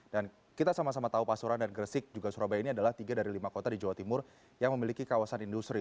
dan kita sama sama tahu pasuruan dan gresik juga surabaya ini adalah tiga dari lima kota di jawa timur yang memiliki kawasan industri